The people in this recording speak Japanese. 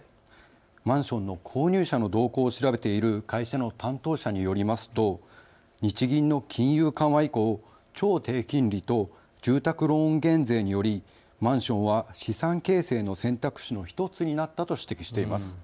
マンションの購入者の動向を調べている会社の担当者によりますと日銀の金融緩和以降超低金利と住宅ローン減税によりマンションは資産形成の選択肢の１つになったと指摘しています。